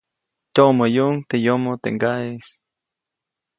Tyoʼmäyuʼuŋ teʼ yomo teʼ ŋgaʼeʼis.